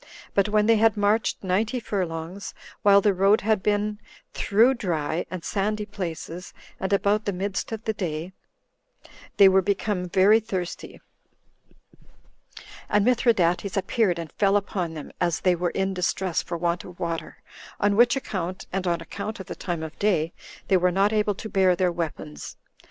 But when they had marched ninety furlongs, while the road had been through dry [and sandy] places, and about the midst of the day, they were become very thirsty; and Mithridates appeared, and fell upon them, as they were in distress for want of water, on which account, and on account of the time of the day, they were not able to bear their weapons.